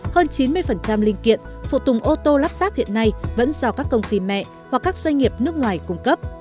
hơn chín mươi linh kiện phụ tùng ô tô lắp ráp hiện nay vẫn do các công ty mẹ hoặc các doanh nghiệp nước ngoài cung cấp